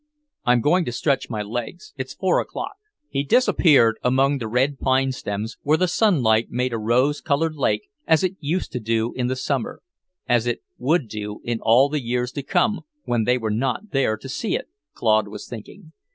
"I'm going to stretch my legs. It's four o'clock." He disappeared among the red pine stems, where the sunlight made a rose colored lake, as it used to do in the summer... as it would do in all the years to come, when they were not there to see it, Claude was thinking.